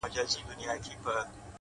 د سړک څراغونه د شپې لارې نرموي’